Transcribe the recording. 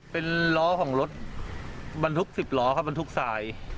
เป็นล้อของรถบรรทุก๑๐ล้อครับบรรทุกทราย